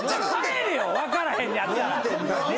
帰れよ分からへんねやったら！